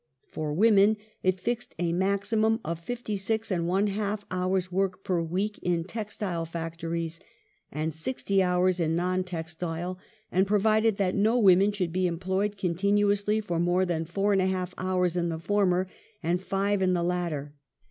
For women it fixed a maximum of 56i hours' work per week in textile factories, and 60 hours in non textile, and provided that no woman should be employed con tinuously for more than 4^ houi*s in the former, and 5 in the latter.